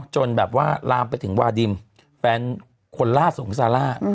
จนแบบว่าลามไปถึงวาดิมแฟนคนล่าสุดของซาร่า